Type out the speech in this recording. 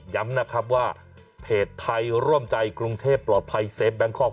ย้ำนะครับว่าเพจไทยร่วมใจกรุงเทพปลอดภัยเซฟแบงคอก